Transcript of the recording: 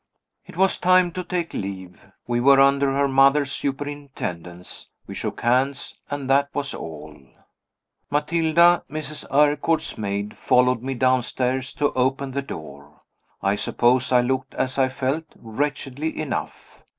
It was time to take leave. We were under her mother's superintendence; we shook hands and that was all. Matilda (Mrs. Eyrecourt's maid) followed me downstairs to open the door. I suppose I looked, as I felt, wretchedly enough.